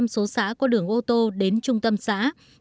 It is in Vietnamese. một trăm linh số xã có đường ô tô đến trung tâm xã